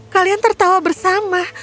kalian tertawa bersama